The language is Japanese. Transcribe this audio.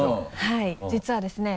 はい実はですね。